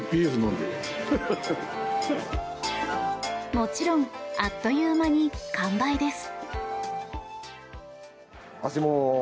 もちろんあっという間に完売です。